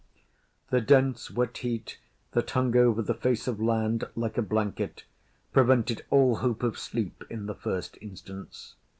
] The dense wet heat that hung over the face of land, like a blanket, prevented all hope of sleep in the first instance.